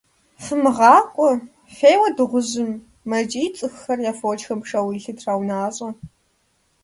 - ФымыгъакӀуэ, феуэ дыгъужьым! - мэкӀий цӀыхухэр, я фочхэм шэуэ илъыр траунащӀэ.